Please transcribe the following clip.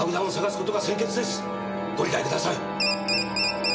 ご理解ください。